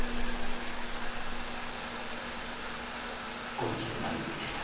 ご無事で何よりでした。